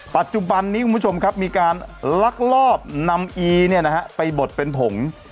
ปัจจุบันนี้มีการลักลอบนำอีไปบดเป็นผง